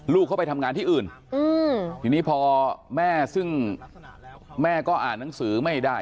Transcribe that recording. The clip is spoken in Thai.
เข้าไปทำงานที่อื่นทีนี้พอแม่ซึ่งแม่ก็อ่านหนังสือไม่ได้